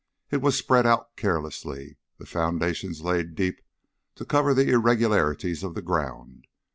It was spread out carelessly, the foundations laid deep to cover the irregularities of the ground.